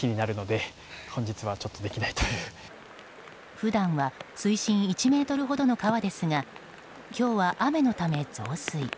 普段は水深１ｍほどの川ですが今日は雨のため増水。